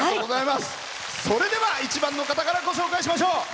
それでは１番の方からご紹介いたしましょう。